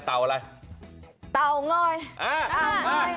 เต่าง้อย